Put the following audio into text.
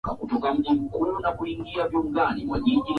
kwa sababu huyu alikuwa mtoto wa waziri basi nayee atakuaje kuwa waziri